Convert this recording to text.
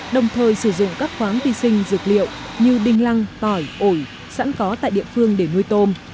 đồng thời sử dụng các khoáng vi sinh dược liệu như đinh lăng tỏi ổi sẵn có tại địa phương để nuôi tôm